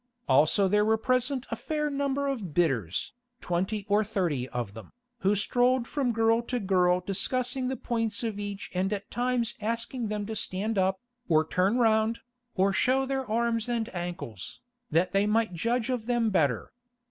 Also there were present a fair number of bidders, twenty or thirty of them, who strolled from girl to girl discussing the points of each and at times asking them to stand up, or turn round, or show their arms and ankles, that they might judge of them better.